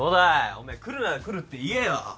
おめえ来るなら来るって言えよ。